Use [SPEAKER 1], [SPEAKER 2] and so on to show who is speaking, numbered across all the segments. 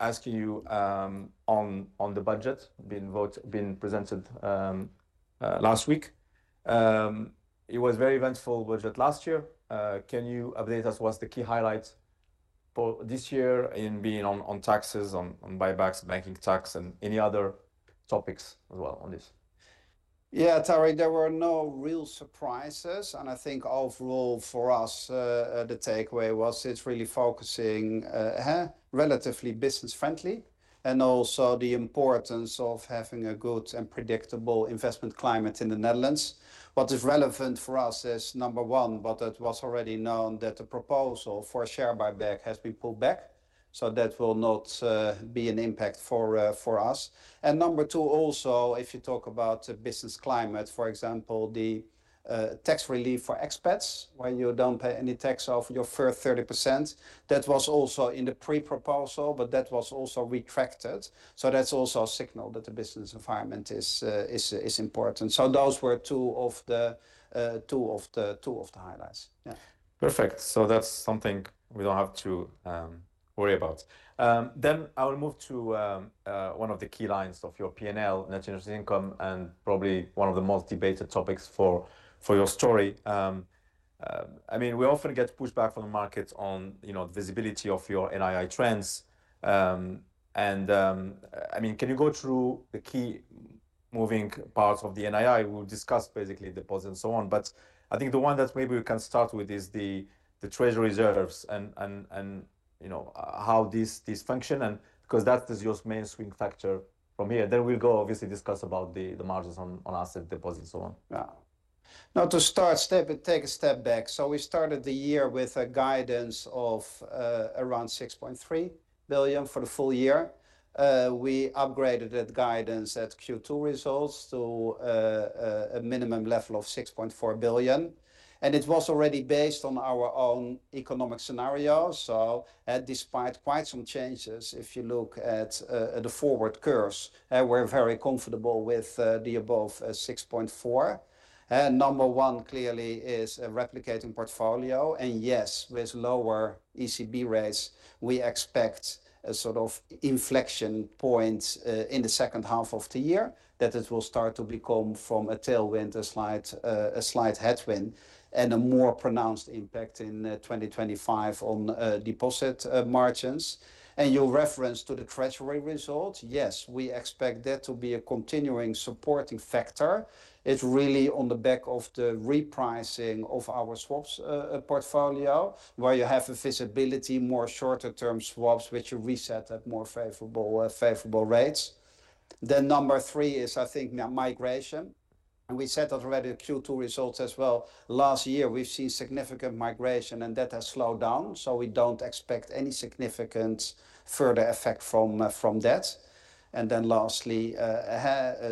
[SPEAKER 1] Asking you on the budget being presented last week. It was very eventful budget last year. Can you update us what's the key highlights for this year being on taxes, buybacks, banking tax, and any other topics as well on this?
[SPEAKER 2] Yeah, Tarik, there were no real surprises, and I think overall for us, the takeaway was it's really focusing relatively business-friendly, and also the importance of having a good and predictable investment climate in the Netherlands. What is relevant for us is, number one, but it was already known, that the proposal for a share buyback has been pulled back, so that will not be an impact for us. And number two, also, if you talk about the business climate, for example, the tax relief for expats, where you don't pay any tax on your first 30%, that was also in the pre-proposal, but that was also retracted. So that's also a signal that the business environment is important. So those were two of the highlights. Yeah.
[SPEAKER 1] Perfect. So that's something we don't have to worry about, then I will move to one of the key lines of your PNL, net interest income, and probably one of the most debated topics for your story. I mean, we often get pushback from the market on, you know, the visibility of your NII trends, and I mean, can you go through the key moving parts of the NII? We'll discuss basically deposits, and so on, but I think the one that maybe we can start with is the treasury reserves and you know how this function and... 'cause that is your main swing factor from here, then we'll go obviously discuss about the margins on asset deposits and so on.
[SPEAKER 2] Yeah. Now, to start, take a step back. So we started the year with a guidance of around 6.3 billion for the full year. We upgraded that guidance at Q2 results to a minimum level of 6.4 billion, and it was already based on our own economic scenario. So, despite quite some changes, if you look at the forward curves, we're very comfortable with the above 6.4 billion. Number one, clearly, is a replicating portfolio, and yes, with lower ECB rates, we expect a sort of inflection point in the H2 of the year, that it will start to become from a tailwind, a slight headwind, and a more pronounced impact in 2025 on deposit margins. And your reference to the treasury results, yes, we expect that to be a continuing supporting factor. It's really on the back of the repricing of our swaps portfolio, where you have a visibility, more shorter term swaps, which you reset at more favorable rates. Then number three is, I think, migration, and we said already the Q2 results as well. Last year, we've seen significant migration, and that has slowed down, so we don't expect any significant further effect from that. And then lastly,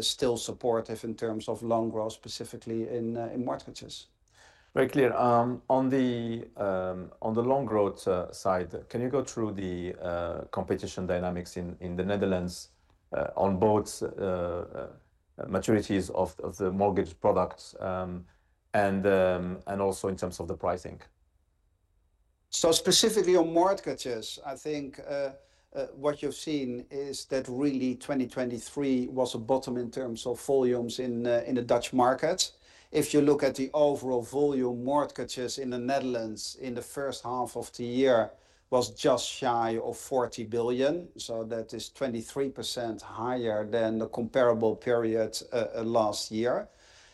[SPEAKER 2] still supportive in terms of loan growth, specifically in mortgages.
[SPEAKER 1] Very clear. On the loan growth side, can you go through the competition dynamics in the Netherlands, on both maturities of the mortgage products, and also in terms of the pricing?
[SPEAKER 2] So specifically on mortgages, I think, what you've seen is that really 2023 was a bottom in terms of volumes in the Dutch market. If you look at the overall volume, mortgages in the Netherlands in the H1 of the year was just shy of 40 billion, so that is 23% higher than the comparable period last year.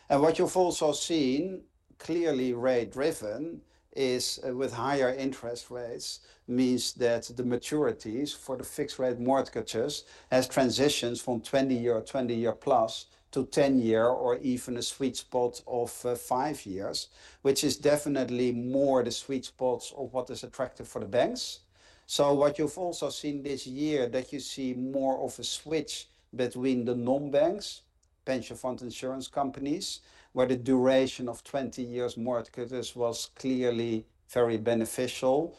[SPEAKER 2] And what you've also seen, clearly rate-driven, is with higher interest rates, means that the maturities for the fixed rate mortgages has transitions from 20-year, 20-year plus to 10-year, or even a sweet spot of, five years, which is definitely more the sweet spots of what is attractive for the banks. So what you've also seen this year, that you see more of a switch between the non-banks, pension funds, insurance companies, where the duration of twenty-year mortgages was clearly very beneficial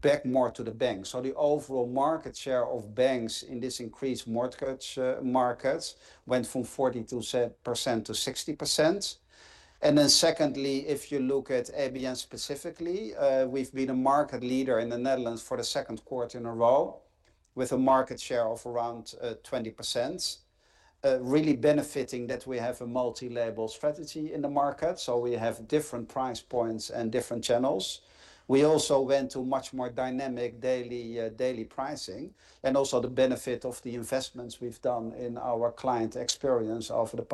[SPEAKER 2] back more to the banks. So the overall market share of banks in this increased mortgage markets went from 42%-60%. And then secondly, if you look at ABN specifically, we've been a market leader in the Netherlands for the Q2 in a row, with a market share of around 20%. Really benefiting that we have a multi-label strategy in the market, so we have different price points and different channels. We also went to much more dynamic daily pricing, and also the benefit of the investments we've done in our client experience over the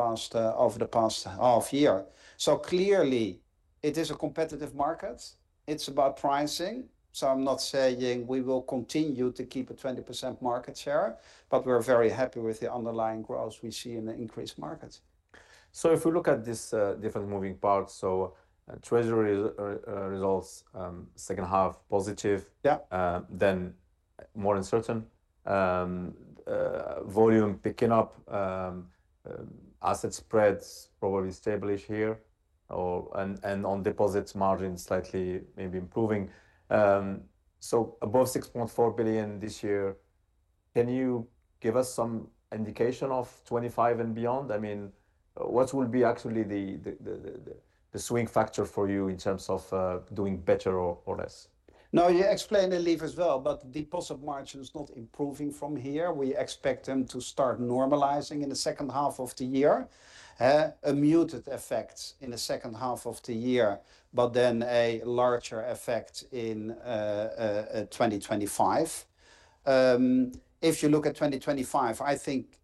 [SPEAKER 2] past half year. So clearly it is a competitive market. It's about pricing, so I'm not saying we will continue to keep a 20% market share, but we're very happy with the underlying growth we see in the increased market.
[SPEAKER 1] So if we look at this, different moving parts, so treasury results, H2 positive.
[SPEAKER 2] Yeah...
[SPEAKER 1] then more uncertain. Volume picking up, asset spreads probably establish here or and on deposits, margin slightly maybe improving. So above 6.4 billion this year? Can you give us some indication of 2025 and beyond? I mean, what will be actually the swing factor for you in terms of doing better or less?
[SPEAKER 2] No, you explained it clear as well, but deposit margin is not improving from here. We expect them to start normalizing in the H2 of the year. A muted effect in the H2 of the year, but then a larger effect in 2025. If you look at 2025, I think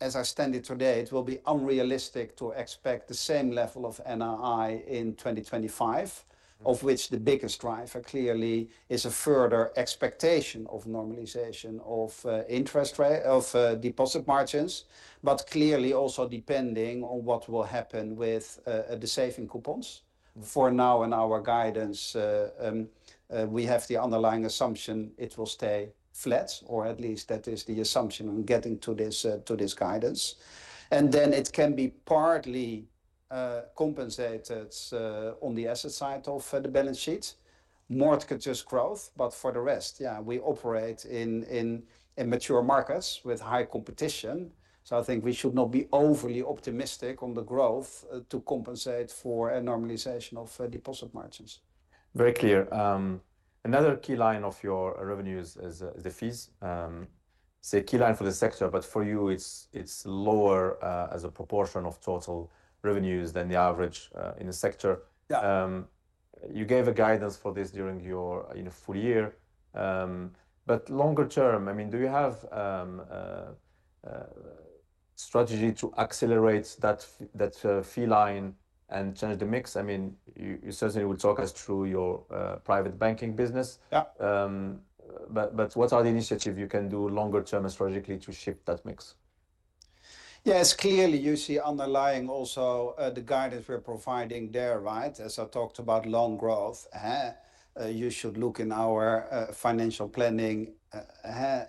[SPEAKER 2] as I stand here today, it will be unrealistic to expect the same level of NII in 2025, of which the biggest driver clearly is a further expectation of normalization of interest rates of deposit margins, but clearly also depending on what will happen with the saving coupons. For now, in our guidance, we have the underlying assumption it will stay flat, or at least that is the assumption on getting to this guidance. And then it can be partly compensated on the asset side of the balance sheet. More it could just growth, but for the rest, yeah, we operate in mature markets with high competition, so I think we should not be overly optimistic on the growth to compensate for a normalization of deposit margins.
[SPEAKER 1] Very clear. Another key line of your revenues is the fees. It's a key line for the sector, but for you, it's lower as a proportion of total revenues than the average in the sector.
[SPEAKER 2] Yeah.
[SPEAKER 1] You gave a guidance for this during your full year, but longer term, I mean, do you have a strategy to accelerate that fee line and change the mix? I mean, you certainly will talk us through your private banking business.
[SPEAKER 2] Yeah.
[SPEAKER 1] But what are the initiatives you can do longer term strategically to shift that mix?
[SPEAKER 2] Yes, clearly, you see underlying also the guidance we're providing there, right? As I talked about loan growth, you should look in our financial planning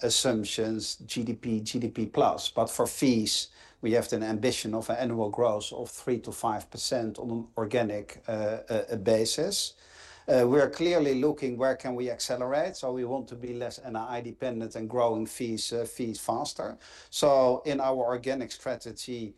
[SPEAKER 2] assumptions, GDP plus. But for fees, we have an ambition of annual growth of 3%-5% on an organic basis. We are clearly looking where can we accelerate, so we want to be less NII dependent and growing fees faster. So in our organic strategy,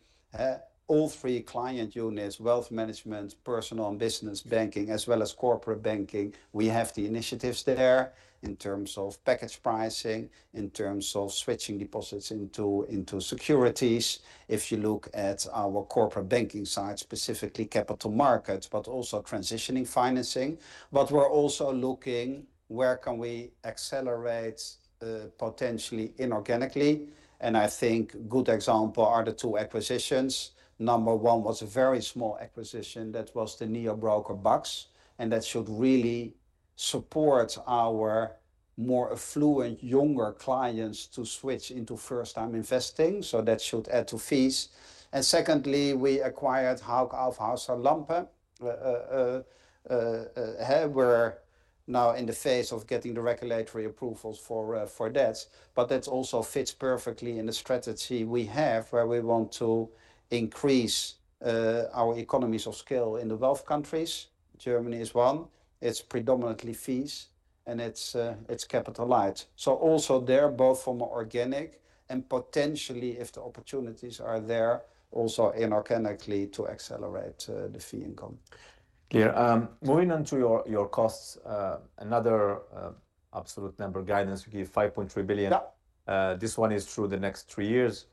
[SPEAKER 2] all three client units, Wealth Management, Personal and Business Banking, as well as Corporate Banking, we have the initiatives there in terms of package pricing, in terms of switching deposits into securities. If you look at our Corporate Banking side, specifically Capital Markets, but also transitioning financing. But we're also looking where can we accelerate, potentially inorganically, and I think good example are the two acquisitions. Number one was a very small acquisition. That was the neo-broker BUX, and that should really support our more affluent, younger clients to switch into first-time investing, so that should add to fees. And secondly, we acquired Hauck Aufhäuser Lampe. We're now in the phase of getting the regulatory approvals for, for that. But that also fits perfectly in the strategy we have, where we want to increase, our economies of scale in the wealthy countries. Germany is one. It's predominantly fees, and it's, it's capital light. So also there, both from organic and potentially, if the opportunities are there, also inorganically to accelerate, the fee income.
[SPEAKER 1] Clear. Moving on to your costs, another absolute number of guidance, you give 5.3 billion.
[SPEAKER 2] Yeah.
[SPEAKER 1] This one is through the next three years.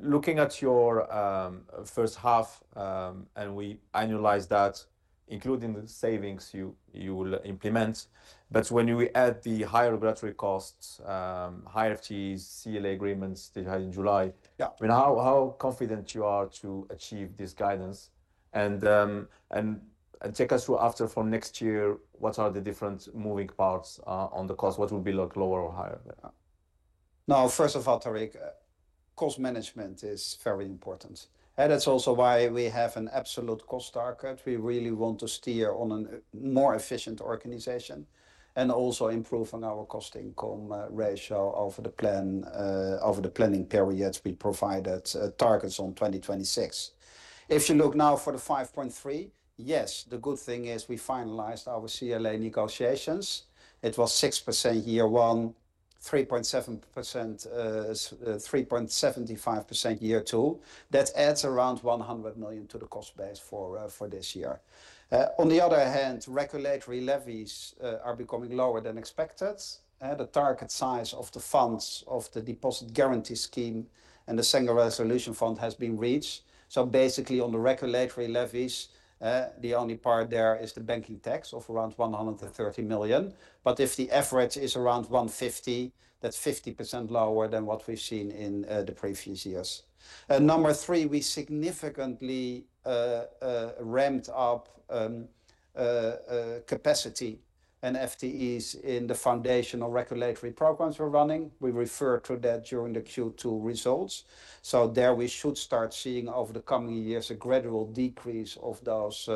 [SPEAKER 1] Looking at your H1, and we annualize that, including the savings you will implement, but when you add the higher regulatory costs, higher fees, CLA agreements that you had in July-
[SPEAKER 2] Yeah...
[SPEAKER 1] I mean, how confident you are to achieve this guidance? And take us through after from next year, what are the different moving parts on the cost? What will be, look lower or higher there?
[SPEAKER 2] Now, first of all, Tarik, cost management is very important, and that's also why we have an absolute cost target. We really want to steer on a more efficient organization and also improve on our cost-income ratio over the plan over the planning period we provided targets on 2026. If you look now for the 5.3%, yes, the good thing is we finalized our CLA negotiations. It was 6% year one, 3.7%, 3.75% year two. That adds around 100 million to the cost base for this year. On the other hand, regulatory levies are becoming lower than expected. The target size of the funds of the Deposit Guarantee Scheme and the Single Resolution Fund has been reached. So basically, on the regulatory levies, the only part there is the banking tax of around 130 million, but if the average is around 150, that's 50% lower than what we've seen in the previous years. Number three, we significantly ramped up capacity and FTEs in the foundational regulatory programs we're running. We referred to that during the Q2 results. So there we should start seeing, over the coming years, a gradual decrease of those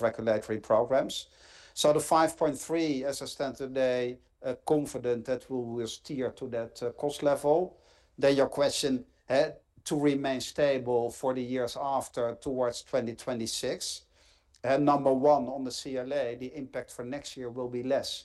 [SPEAKER 2] regulatory programs. So the 5.3, as I stand today, confident that we will steer to that cost level. Then your question to remain stable for the years after, towards 2026, number one, on the CLA, the impact for next year will be less.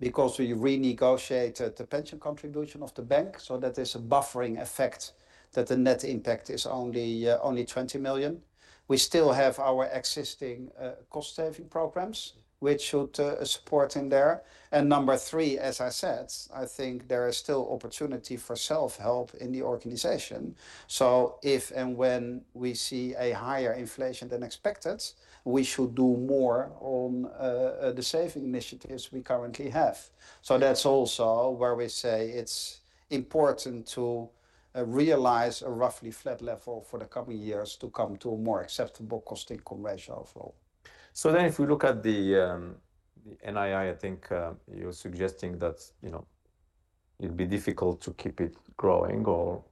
[SPEAKER 2] because we renegotiate the pension contribution of the bank, so that there's a buffering effect, that the net impact is only 20 million. We still have our existing cost-saving programs, which should support in there. And number three, as I said, I think there is still opportunity for self-help in the organization. So if and when we see a higher inflation than expected, we should do more on the saving initiatives we currently have. So that's also where we say it's important to realize a roughly flat level for the coming years to come to a more acceptable cost/income ratio.
[SPEAKER 1] So then if we look at the NII, I think, you're suggesting that, you know, it'd be difficult to keep it growing or-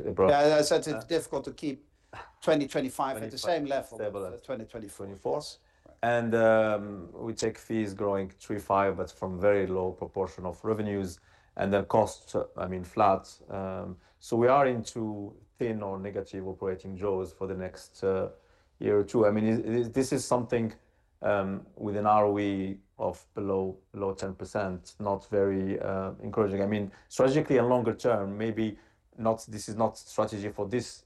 [SPEAKER 2] Yeah, I said it's difficult to keep 2025 at the same level-
[SPEAKER 1] Stable...
[SPEAKER 2] 2024.
[SPEAKER 1] We take fees growing 3%-5%, but from very low proportion of revenues, and then costs, I mean, flat. So we are into thin or negative operating jaws for the next year or two. I mean, this is something with an ROE of below 10%, not very encouraging. I mean, strategically and longer term, maybe not. This is not strategy for this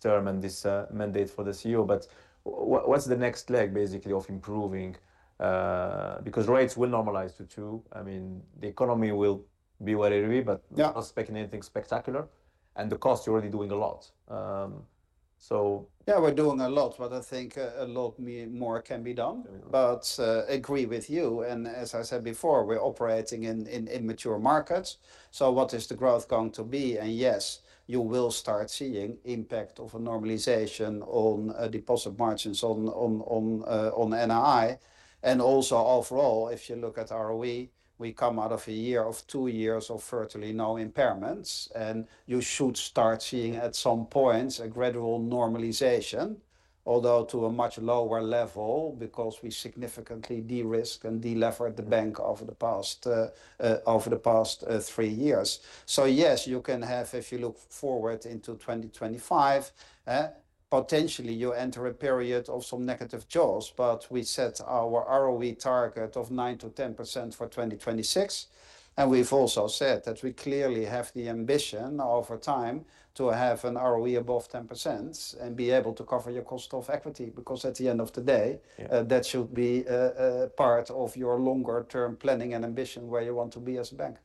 [SPEAKER 1] term and this mandate for the CEO, but what's the next leg, basically, of improving? Because rates will normalize to 2%. I mean, the economy will be what it will be, but-
[SPEAKER 2] Yeah...
[SPEAKER 1] not expecting anything spectacular, and the cost, you're already doing a lot. So.
[SPEAKER 2] Yeah, we're doing a lot, but I think a lot more can be done.
[SPEAKER 1] Yeah.
[SPEAKER 2] But agree with you, and as I said before, we're operating in mature markets. So what is the growth going to be? And yes, you will start seeing impact of a normalization on deposit margins on NII. And also, overall, if you look at ROE, we come out of a year of two years of virtually no impairments, and you should start seeing, at some point, a gradual normalization, although to a much lower level, because we significantly de-risked and de-levered the bank over the past three years. So yes, you can have, if you look forward into twenty twenty-five, potentially you enter a period of some negative jaws, but we set our ROE target of 9%-10% for twenty twenty-six, and we've also said that we clearly have the ambition over time to have an ROE above 10% and be able to cover your cost of equity. Because at the end of the day-
[SPEAKER 1] Yeah...
[SPEAKER 2] that should be a part of your longer term planning and ambition, where you want to be as a bank.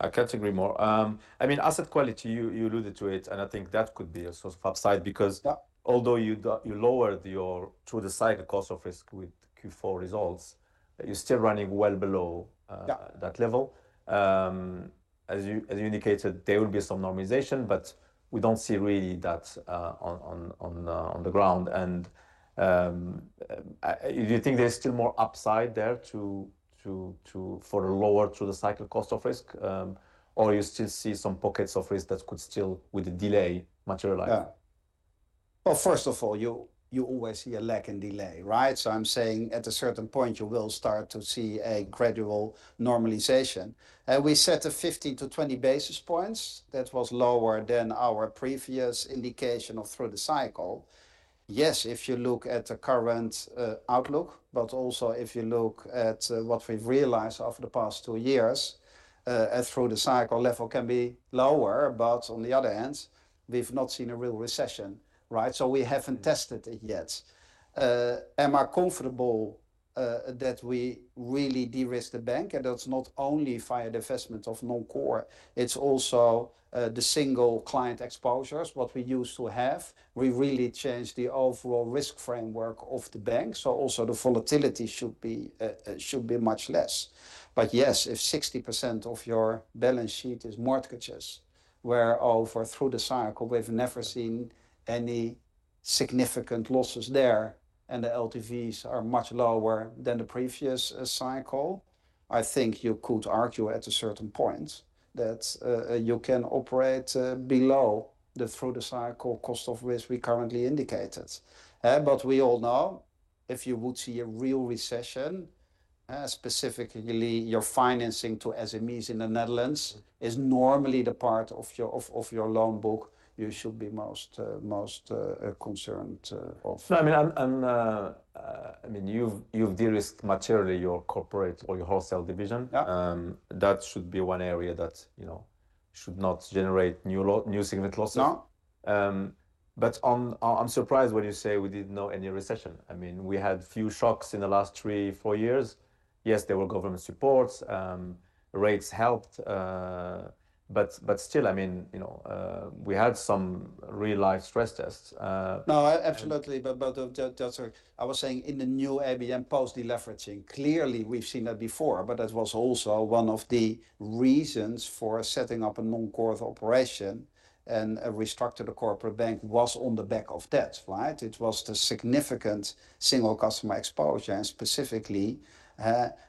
[SPEAKER 1] I can't agree more. I mean, asset quality, you alluded to it, and I think that could be a source of upside, because-
[SPEAKER 2] Yeah ...
[SPEAKER 1] although you lowered your through the cycle cost of risk with Q4 results, you're still running well below
[SPEAKER 2] Yeah...
[SPEAKER 1] that level. As you indicated, there will be some normalization, but we don't see really that on the ground. Do you think there's still more upside there for a lower through the cycle cost of risk? Or you still see some pockets of risk that could still, with a delay, materialize?
[SPEAKER 2] Yeah, well, first of all, you always see a lag and delay, right? So I'm saying, at a certain point, you will start to see a gradual normalization, and we set a 50-20 basis points. That was lower than our previous indication of through the cycle. Yes, if you look at the current outlook, but also if you look at what we've realized over the past two years, and through the cycle, level can be lower. But on the other hand, we've not seen a real recession, right? So we haven't tested it yet? Am I comfortable that we really de-risk the bank, and that's not only via divestment of non-core, it's also the single client exposures, what we used to have. We really changed the overall risk framework of the bank, so also the volatility should be much less. But yes, if 60% of your balance sheet is mortgages, where over through the cycle, we've never seen any significant losses there, and the LTVs are much lower than the previous cycle, I think you could argue at a certain point that you can operate below the through the cycle cost of risk we currently indicated. But we all know, if you would see a real recession, specifically your financing to SMEs in the Netherlands, is normally the part of your loan book you should be most concerned of.
[SPEAKER 1] No, I mean, you've de-risked materially your corporate or your wholesale division.
[SPEAKER 2] Yeah.
[SPEAKER 1] That should be one area that, you know, should not generate new significant losses.
[SPEAKER 2] No.
[SPEAKER 1] But on... I'm surprised when you say we didn't know any recession. I mean, we had few shocks in the last three, four years. Yes, there were government supports, rates helped, but, but still, I mean, you know, we had some real-life stress tests.
[SPEAKER 2] No, absolutely.
[SPEAKER 1] And-
[SPEAKER 2] Sorry. I was saying in the new ABN post-deleveraging, clearly we've seen that before, but that was also one of the reasons for setting up a non-core operation, and a restructure the corporate bank was on the back of debt, right? It was the significant single customer exposure, and specifically,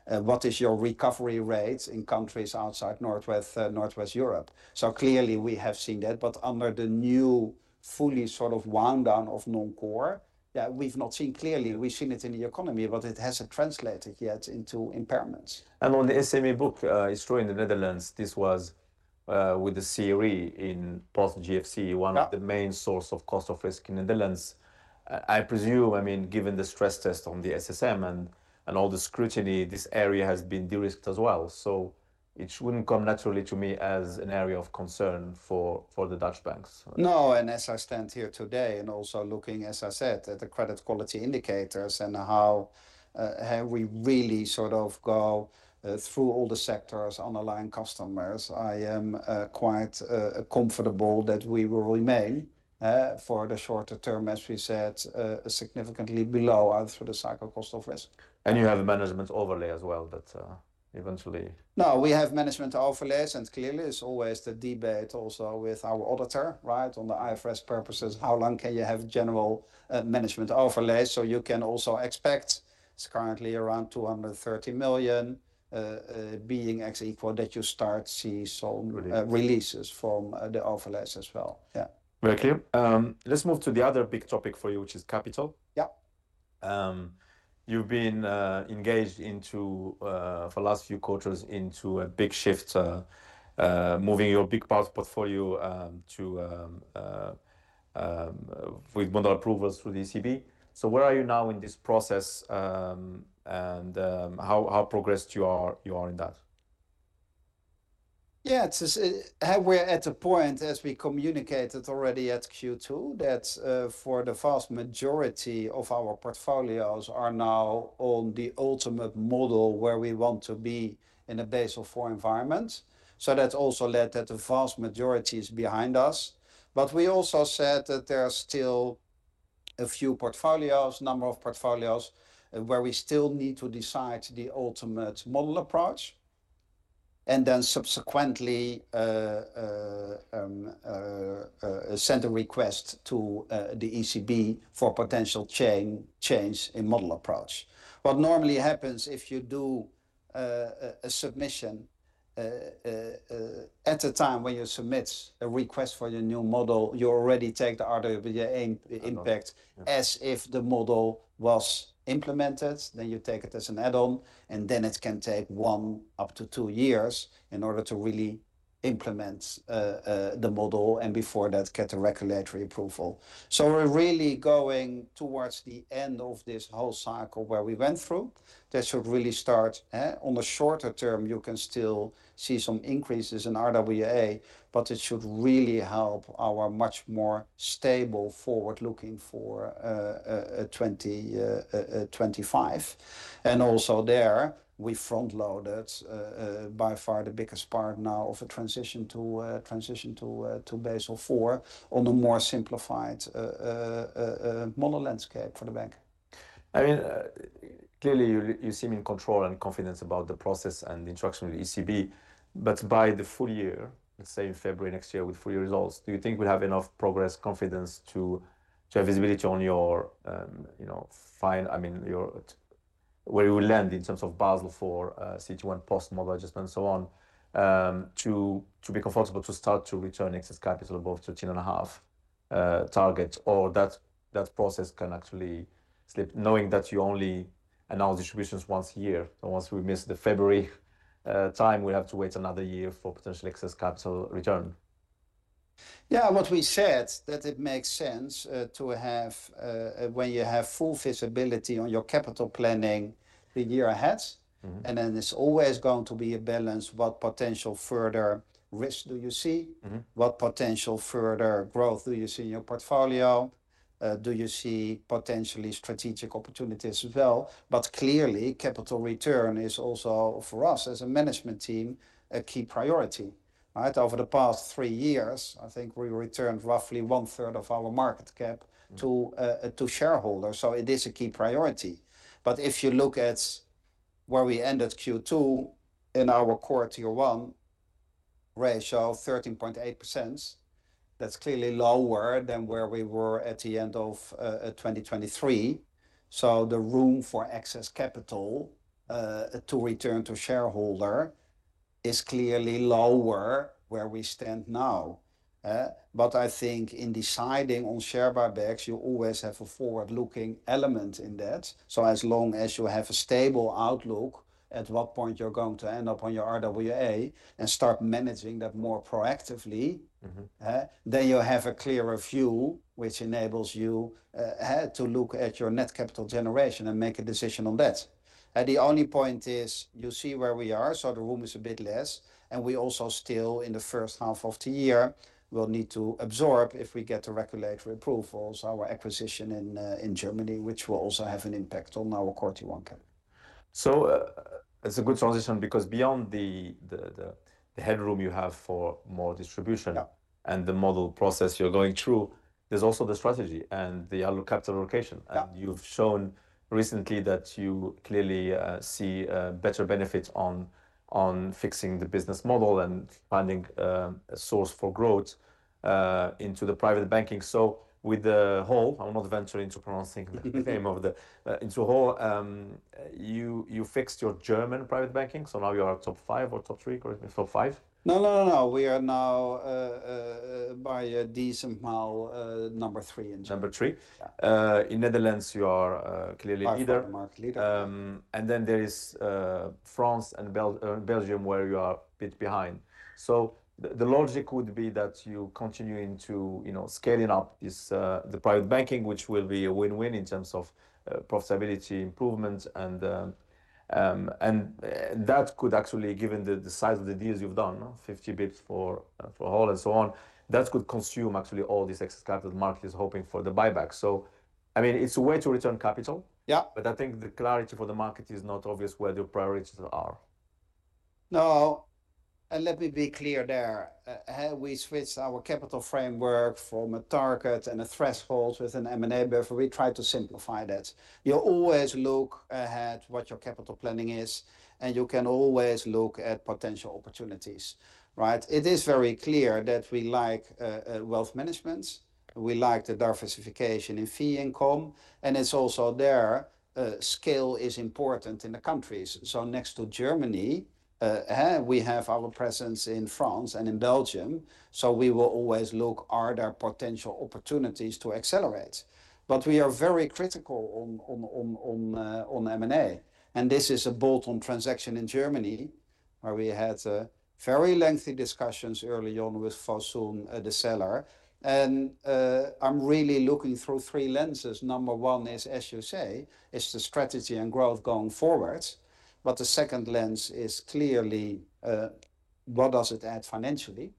[SPEAKER 2] what is your recovery rate in countries outside Northwest Europe? So clearly we have seen that, but under the new, fully sort of wind down of non-core, yeah, we've not seen clearly. We've seen it in the economy, but it hasn't translated yet into impairments.
[SPEAKER 1] And on the SME book, it's true, in the Netherlands, with the CRE in post GFC-
[SPEAKER 2] Yeah
[SPEAKER 1] One of the main source of cost of risk in the Netherlands. I presume, I mean, given the stress test on the SSM and all the scrutiny, this area has been de-risked as well, so it wouldn't come naturally to me as an area of concern for the Dutch banks.
[SPEAKER 2] No, and as I stand here today, and also looking, as I said, at the credit quality indicators and how we really sort of go through all the sectors and client customers, I am quite comfortable that we will remain, for the shorter term, as we said, significantly below and through the cycle cost of risk.
[SPEAKER 1] And you have a management overlay as well, that eventually...
[SPEAKER 2] No, we have management overlays, and clearly it's always the debate also with our auditor, right? On the IFRS purposes, how long can you have general management overlay? So you can also expect it's currently around 230 million, being ex-IFRS, that you start see some-
[SPEAKER 1] releases...
[SPEAKER 2] releases from, the overlays as well. Yeah.
[SPEAKER 1] Very clear. Let's move to the other big topic for you, which is capital.
[SPEAKER 2] Yeah.
[SPEAKER 1] You've been engaged into for last few quarters into a big shift moving your big part portfolio to with model approvals through the ECB. So where are you now in this process, and how progressed you are in that?
[SPEAKER 2] Yeah, it's, we're at a point, as we communicated already at Q2, that, for the vast majority of our portfolios are now on the ultimate model where we want to be in a Basel IV environment. So that's also led that the vast majority is behind us. But we also said that there are still a few portfolios, number of portfolios, where we still need to decide the ultimate model approach, and then subsequently, send a request to, the ECB for potential change in model approach. What normally happens if you do, a submission, at the time when you submit a request for your new model, you already take the RWA impact- as if the model was implemented, then you take it as an add-on, and then it can take one up to two years in order to really implement the model, and before that, get a regulatory approval. So we're really going towards the end of this whole cycle where we went through. That should really start. On the shorter term, you can still see some increases in RWA, but it should really help our much more stable forward looking for 2025. And also there, we front loaded by far the biggest part now of the transition to to Basel IV on the more simplified model landscape for the bank.
[SPEAKER 1] I mean, clearly, you seem in control and confident about the process and the interaction with ECB, but by the full year, let's say in February next year, with full year results, do you think we'll have enough progress, confidence to have visibility on your, you know, I mean, your where you will land in terms of Basel IV, CET1, post model adjustment, and so on, to be comfortable to start to return excess capital, above 13.5 target? Or that process can actually slip, knowing that you only announce distributions once a year, and once we miss the February time, we'll have to wait another year for potential excess capital return.
[SPEAKER 2] Yeah, what we said, that it makes sense to have, when you have full visibility on your capital planning the year ahead.
[SPEAKER 1] Mm-hmm.
[SPEAKER 2] Then there's always going to be a balance. What potential further risk do you see?
[SPEAKER 1] Mm-hmm.
[SPEAKER 2] What potential further growth do you see in your portfolio? Do you see potentially strategic opportunities as well? But clearly, capital return is also, for us as a management team, a key priority, right? Over the past three years, I think we returned roughly one third of our market cap to shareholders, so it is a key priority. But if you look at where we ended Q2, in our Core Tier 1 ratio of 13.8%, that's clearly lower than where we were at the end of 2023. So the room for excess capital to return to shareholder is clearly lower where we stand now. But I think in deciding on share buybacks, you always have a forward-looking element in that. So as long as you have a stable outlook, at what point you're going to end up on your RWA and start managing that more proactively?
[SPEAKER 1] Mm-hmm
[SPEAKER 2] Then you have a clearer view, which enables you to look at your net capital generation and make a decision on that. The only point is, you see where we are, so the room is a bit less, and we also still, in the H1 of the year, will need to absorb, if we get the regulatory approvals, our acquisition in Germany, which will also have an impact on our Core Tier 1 cap.
[SPEAKER 1] It's a good transition, because beyond the headroom you have for more distribution-
[SPEAKER 2] Yeah...
[SPEAKER 1] and the model process you're going through, there's also the strategy and the capital allocation.
[SPEAKER 2] Yeah.
[SPEAKER 1] You've shown recently that you clearly see better benefits on fixing the business model and finding a source for growth into the private banking. So with the whole, I'm not venturing into pronouncing the name. You fixed your German private banking, so now you are top five or top three, correct me, top five?
[SPEAKER 2] No, no, no, no, we are now, by a decent mile, number three in Germany.
[SPEAKER 1] Number three?
[SPEAKER 2] Yeah.
[SPEAKER 1] In Netherlands, you are clearly leader.
[SPEAKER 2] Part market leader.
[SPEAKER 1] And then there is France and Belgium, where you are a bit behind. So the logic would be that you continuing to, you know, scaling up this, the private banking, which will be a win-win in terms of profitability, improvement and that could actually, given the size of the deals you've done, no, 50 bits for Hauck and so on, that could consume actually all this excess capital the market is hoping for the buyback. So, I mean, it's a way to return capital.
[SPEAKER 2] Yeah.
[SPEAKER 1] But I think the clarity for the market is not obvious where your priorities are.
[SPEAKER 2] No, and let me be clear there. We switched our capital framework from a target and a threshold with an M&A buffer. We tried to simplify that. You always look ahead what your capital planning is, and you can always look at potential opportunities, right? It is very clear that we like, wealth management, we like the diversification in fee income, and it's also there, scale is important in the countries. So next to Germany, we have our presence in France and in Belgium, so we will always look, are there potential opportunities to accelerate? But we are very critical on M&A, and this is a bolt-on transaction in Germany, where we had, very lengthy discussions early on with Fosun, the seller. And, I'm really looking through three lenses. Number one is, as you say, the strategy and growth going forward. But the second lens is clearly what does it add financially?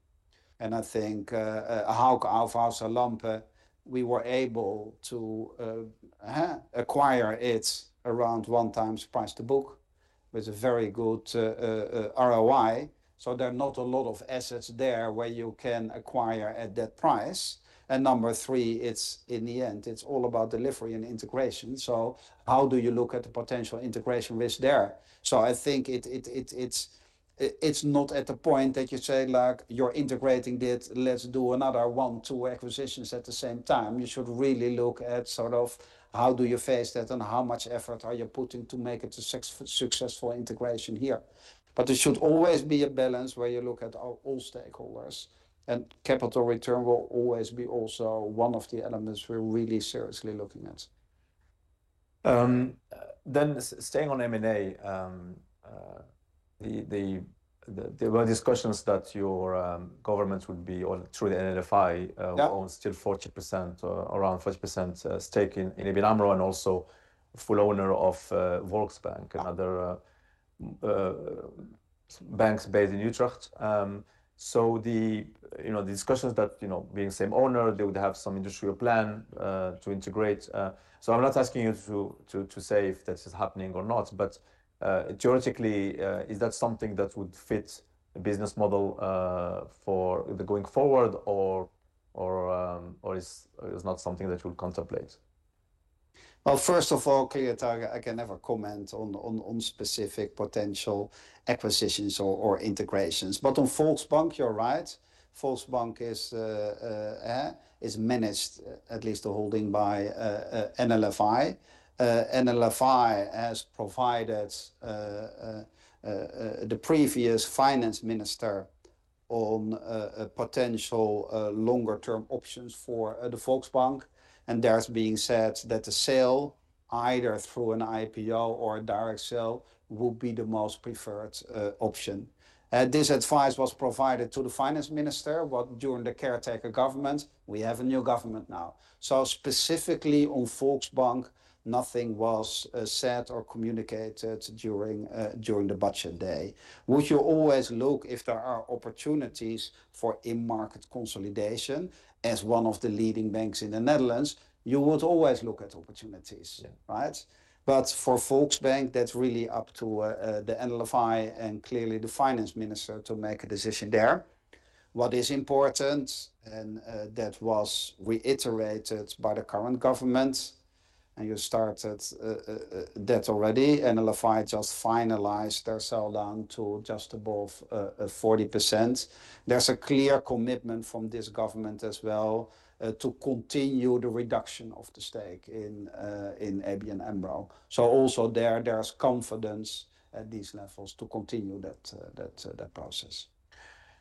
[SPEAKER 2] And I think how Hauck Aufhäuser Lampe, we were able to acquire it around one times price to book, with a very good ROI. So there are not a lot of assets there where you can acquire at that price. And number three, it's in the end, it's all about delivery and integration. So how do you look at the potential integration risk there? So I think it's not at the point that you say, like, "You're integrating it, let's do another one, two acquisitions at the same time." You should really look at sort of how do you face that, and how much effort are you putting to make it a successful integration here? But there should always be a balance where you look at all stakeholders, and capital return will always be also one of the elements we're really seriously looking at.
[SPEAKER 1] Then staying on M&A, there were discussions that your government would be, or through the NLFI-
[SPEAKER 2] Yeah...
[SPEAKER 1] owns still 40% or around 40% stake in ABN AMRO, and also full owner of Volksbank and other banks based in Utrecht. So the, you know, the discussions that, you know, being same owner, they would have some industrial plan to integrate. So I'm not asking you to say if this is happening or not, but theoretically, is that something that would fit the business model for either going forward or, or, or is it not something that you would contemplate?
[SPEAKER 2] Well, first of all, clear target, I can never comment on specific potential acquisitions or integrations. But on Volksbank, you're right. Volksbank is managed, at least the holding by NLFI. NLFI has provided the previous finance minister on a potential longer-term options for the Volksbank. And there's being said that the sale, either through an IPO or a direct sale, would be the most preferred option. This advice was provided to the finance minister, but during the caretaker government. We have a new government now. So specifically on Volksbank, nothing was said or communicated during the budget day. Would you always look if there are opportunities for in-market consolidation as one of the leading banks in the Netherlands? You would always look at opportunities-
[SPEAKER 1] Yeah...
[SPEAKER 2] right? But for Volksbank, that's really up to the NLFI and clearly the finance minister to make a decision there. What is important, and that was reiterated by the current government, and you started that already. NLFI just finalized their sell-down to just above 40%. There's a clear commitment from this government as well to continue the reduction of the stake in ABN AMRO. So also there, there's confidence at these levels to continue that process.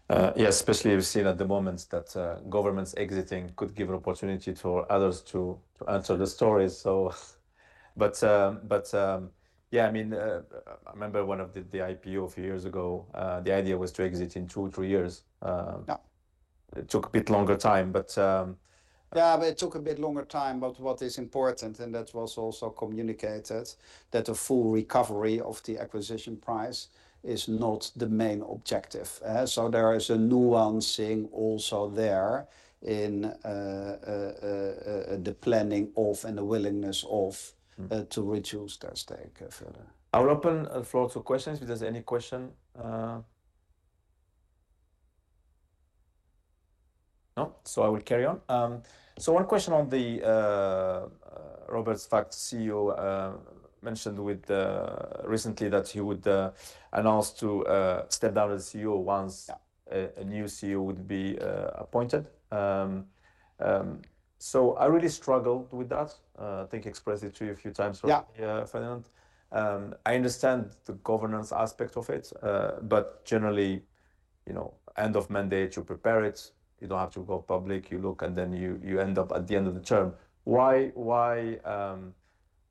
[SPEAKER 1] Yeah, especially we've seen at the moment that governments exiting could give an opportunity for others to answer the stories. So but, but, yeah, I mean, I remember one of the IPO a few years ago, the idea was to exit in two, three years.
[SPEAKER 2] Yeah.
[SPEAKER 1] It took a bit longer time, but,
[SPEAKER 2] Yeah, it took a bit longer time, but what is important, and that was also communicated, that a full recovery of the acquisition price is not the main objective. So there is a nuance also there in the planning of and the willingness of-
[SPEAKER 1] Mm...
[SPEAKER 2] to reduce that stake further.
[SPEAKER 1] I will open the floor to questions, if there's any question. No, so I will carry on. So one question on the Robert Swaak, CEO, mentioned recently that he would announce to step down as CEO once-
[SPEAKER 2] Yeah...
[SPEAKER 1] a new CEO would be appointed, so I really struggled with that. I think expressed it to you a few times-
[SPEAKER 2] Yeah
[SPEAKER 1] Ferdinand. I understand the governance aspect of it, but generally, you know, end of mandate, you prepare it, you don't have to go public, you look, and then you end up at the end of the term. Why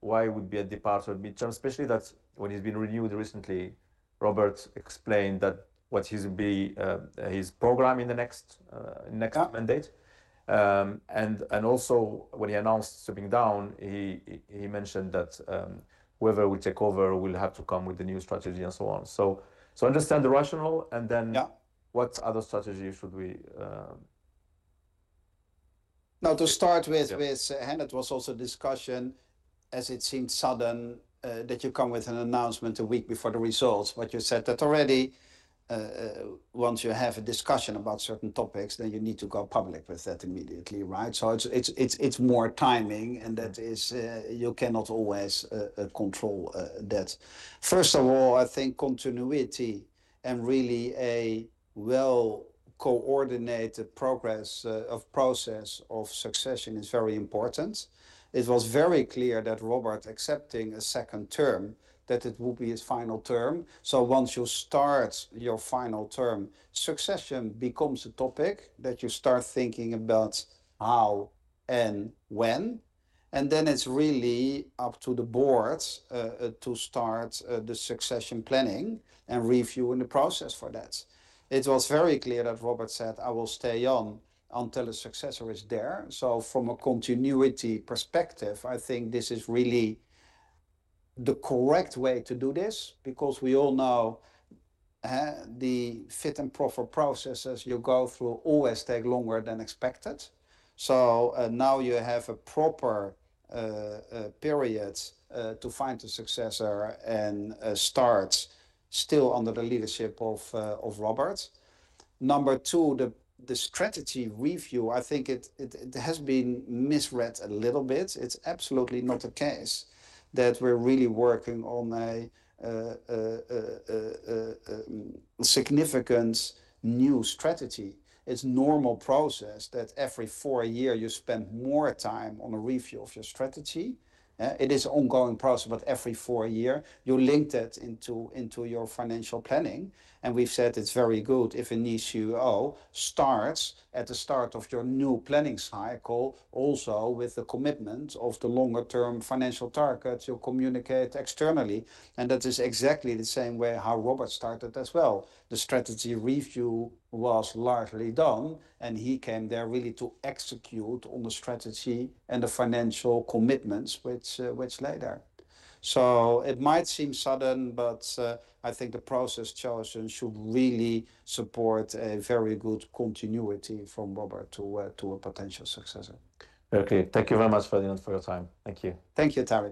[SPEAKER 1] would be a departure midterm? Especially that's when he's been renewed recently. Robert explained that what his be, his program in the next, next-
[SPEAKER 2] Yeah...
[SPEAKER 1] mandate. And also when he announced stepping down, he mentioned that whoever will take over will have to come with a new strategy and so on. So understand the rationale, and then-
[SPEAKER 2] Yeah...
[SPEAKER 1] what other strategy should we?
[SPEAKER 2] Now, to start with-
[SPEAKER 1] Yeah...
[SPEAKER 2] with, and it was also discussion, as it seemed sudden, that you come with an announcement a week before the results. But you said that already, once you have a discussion about certain topics, then you need to go public with that immediately, right? So it's more timing, and that is, you cannot always control that. First of all, I think continuity and really a well-coordinated progress of process of succession is very important. It was very clear that Robert accepting a second term, that it would be his final term. So once you start your final term, succession becomes a topic that you start thinking about how and when, and then it's really up to the boards to start the succession planning and reviewing the process for that. It was very clear that Robert said, "I will stay on until a successor is there." So from a continuity perspective, I think this is really the correct way to do this, because we all know the fit and proper processes you go through always take longer than expected. So now you have a proper period to find a successor and start still under the leadership of of Robert. Number two, the strategy review, I think it has been misread a little bit. It's absolutely not a case that we're really working on a significant new strategy. It's normal process that every four year you spend more time on a review of your strategy. It is an ongoing process, but every four years you link that into your financial planning, and we've said it's very good if a new CEO starts at the start of your new planning cycle, also with the commitment of the longer term financial targets you communicate externally, and that is exactly the same way how Robert started as well. The strategy review was largely done, and he came there really to execute on the strategy and the financial commitments which lay there. So it might seem sudden, but I think the process chosen should really support a very good continuity from Robert to a potential successor.
[SPEAKER 1] Okay. Thank you very much, Ferdinand, for your time. Thank you.
[SPEAKER 2] Thank you, Tarik.